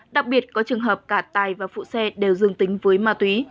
đặc biệt có trường hợp cả tài và phụ xe đều dương tính với ma túy